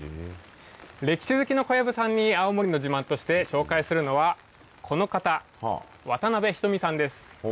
歴史好きの小籔さんに青森の自慢として紹介するのはこの方、渡邊ひとみさんです。